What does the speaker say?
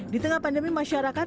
di tengah pandemi masyarakat